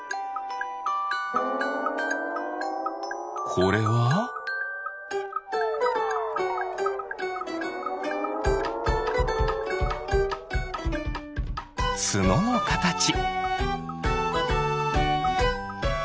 これは？ツノのかたち。